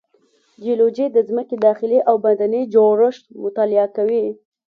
جیولوجی د ځمکې داخلي او باندینی جوړښت مطالعه کوي.